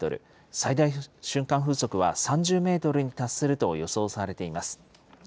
最大瞬間風速は３０メートルに達すると予想されています。